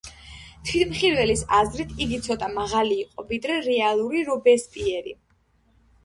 თვითმხილველის აზრით იგი ცოტა მაღალი იყო ვიდრე რეალური რობესპიერი.